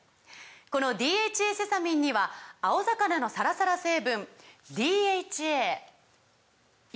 この「ＤＨＡセサミン」には青魚のサラサラ成分ＤＨＡＥＰＡ